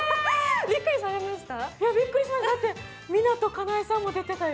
びっくりされました？